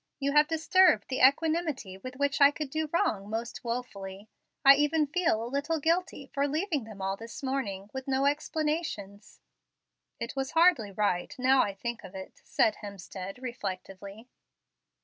You have disturbed the equanimity with which I could do wrong most wofully. I even feel a little guilty for leaving them all this morning, with no explanations." "It was hardly right, now I think of it," said Hemstead, reflectively.